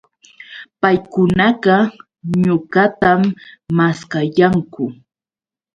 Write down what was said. Paykunaqa ñuqatam maskayanku